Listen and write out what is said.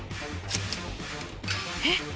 えっ！